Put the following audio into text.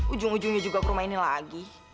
ujung ujungnya juga ke rumah ini lagi